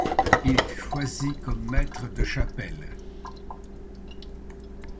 Il choisit comme maître de chapelle.